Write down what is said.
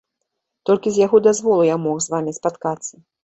Толькі з яго дазволу я мог з вамі спаткацца.